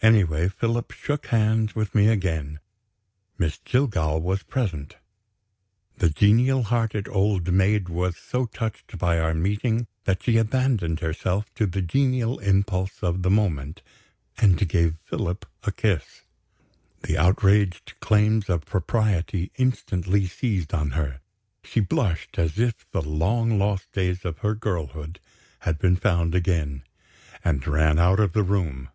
Anyway, Philip shook hands with me again. Miss Jillgall was present. The gentle hearted old maid was so touched by our meeting that she abandoned herself to the genial impulse of the moment, and gave Philip a kiss. The outraged claims of propriety instantly seized on her. She blushed as if the long lost days of her girlhood had been found again, and ran out of the room.